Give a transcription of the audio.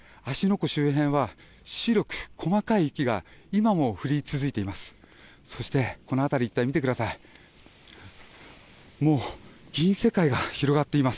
湖周辺は白く細かい雪が今も降り続いています。